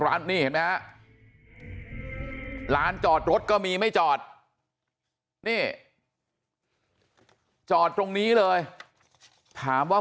ร้านนี่เห็นไหมฮะร้านจอดรถก็มีไม่จอดนี่จอดตรงนี้เลยถามว่า